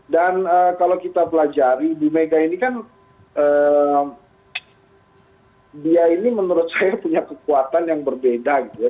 dan kalau kita pelajari bu mega ini kan dia ini menurut saya punya kekuatan yang berbeda gitu ya